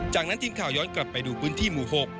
จากนั้นทีมข่าวย้อนกลับไปดูพื้นที่หมู่๖